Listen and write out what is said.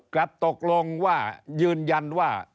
กลับตกลงว่ายืนยันว่า